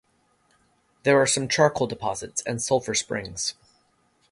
There are some charcoal deposits and sulphur springs.